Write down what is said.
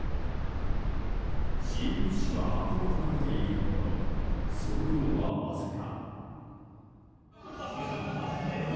支援物資は運び込まれているもののその量はわずか。